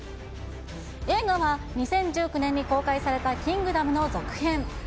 映画は２０１９年に公開されたキングダムの続編。